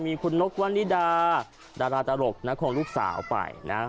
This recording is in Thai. มีคุณนกวันนิดาดาราตลกนะของลูกสาวไปนะ